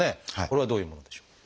これはどういうものでしょう？